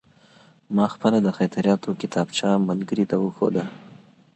ما خپله د خاطراتو کتابچه ملګري ته وښوده.